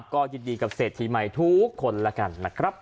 ก็ยินดีกับเศรษฐีใหม่ทุกคนแล้วกันนะครับ